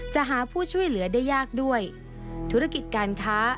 หาผู้ช่วยเหลือได้ยากด้วยธุรกิจการค้า